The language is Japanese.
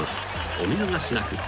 お見逃しなく］